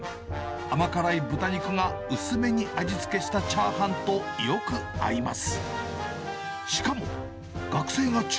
甘辛い豚肉が薄めに味付けしたチャーハンとよく合います。